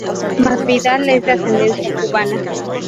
Masvidal es de ascendencia cubana.